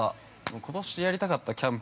◆ことしやりたかったキャンプ